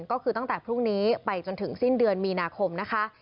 ก็คือตั้งแต่พรุ่งนี้ไปจนถึงสิ้นเดือนมีนาคมนะคะ